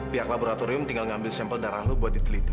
pihak laboratorium tinggal ngambil sampel darah lu buat diteliti